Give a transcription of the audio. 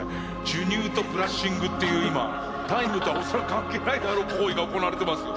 授乳とブラッシングっていう今タイムとは恐らく関係ないであろう行為が行われています。